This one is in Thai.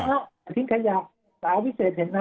อ้าวทิ้งขยะตาวิเศษเห็นน่ะ